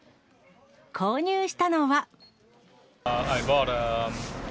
購入したのは。